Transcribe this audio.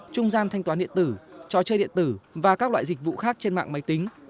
trung gian thanh toán điện tử trò chơi điện tử và các loại dịch vụ khác trên mạng máy tính